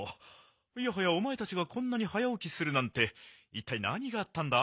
いやはやおまえたちがこんなに早おきするなんていったいなにがあったんだ？